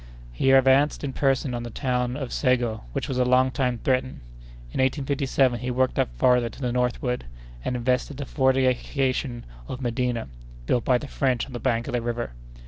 He advanced in person on the town of Ségo, which was a long time threatened. In 1857 he worked up farther to the northward, and invested the fortification of Medina, built by the French on the bank of the river.